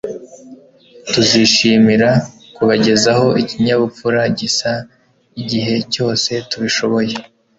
Tuzishimira kubagezaho ikinyabupfura gisa igihe cyose tubishoboye